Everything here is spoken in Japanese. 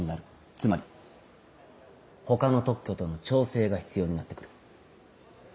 つまり他の特許との調整が必要になってくる。